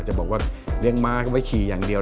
จะบอกว่าเลี้ยงม้าก็ไว้ขี่อย่างเดียว